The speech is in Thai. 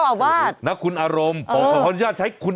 เลือกแหน็จกัน